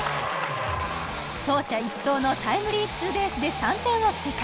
走者一掃のタイムリーツーベースで３点を追加